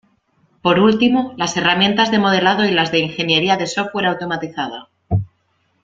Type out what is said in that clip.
Por último, las herramientas de modelado y las de Ingeniería de Software Automatizada.